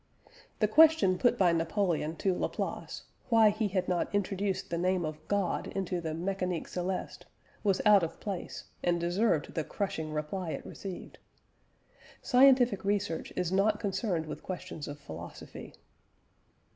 The question put by Napoleon to Laplace, why he had not introduced the name of God into the Méchanique Céleste, was out of place, and deserved the crushing reply it received. Scientific research is not concerned with questions of philosophy.